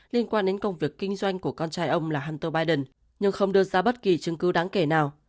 liên quan đến công việc kinh doanh của con trai ông là hunter biden nhưng không đưa ra bất kỳ chứng cứ đáng kể nào